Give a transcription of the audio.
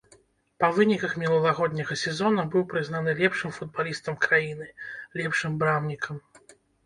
Па выніках мінулагодняга сезона быў прызнаны лепшым футбалістам краіны, лепшым брамнікам.